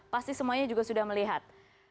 pasti semuanya juga sudah melihat